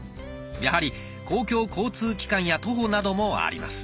やはり公共交通機関や徒歩などもあります。